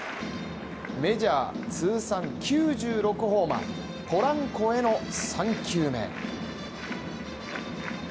メジャー通算９６ホーマーポランコへの３球目。